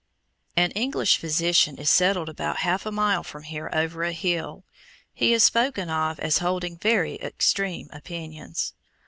An English physician is settled about half a mile from here over a hill. He is spoken of as holding "very extreme opinions."